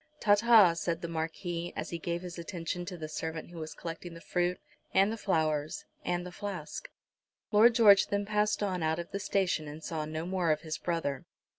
"Ta, ta," said the Marquis, as he gave his attention to the servant who was collecting the fruit, and the flowers, and the flask. Lord George then passed on out of the station, and saw no more of his brother.